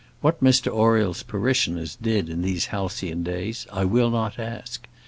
What Mr Oriel's parishioners did in these halcyon days, I will not ask.